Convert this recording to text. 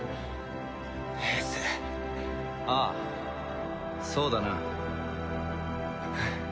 ああそうだな。